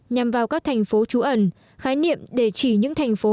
nhằm vào các thành phố trú ẩn khái niệm để chỉ những thành phố